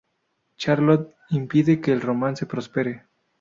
Charlotte impide que el romance prospere.